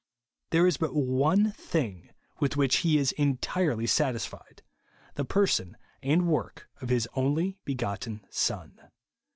There is but one thing with Avhich he is entirely satisfied, — the person and work of his only begottea Son.